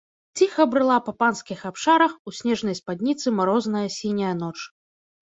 Ціха брыла па панскіх абшарах у снежнай спадніцы марозная сіняя ноч.